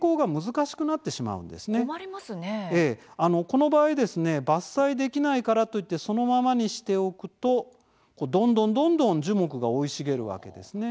この場合ですね伐採できないからといってそのままにしておくとどんどんどんどん樹木が生い茂るわけですね。